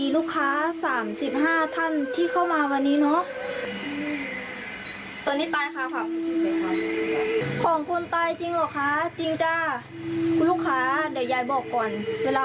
ทุกตัวผ่านการบังสกุลมาแล้วจ้า